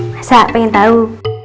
masa pengen tau